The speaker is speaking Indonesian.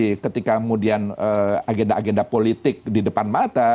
jadi ketika kemudian agenda agenda politik di depan mata